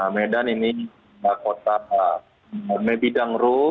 medan ini kota pembatasan